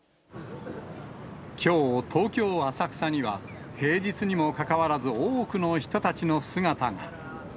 きょう、東京・浅草には、平日にもかかわらず、多くの人たちの姿が。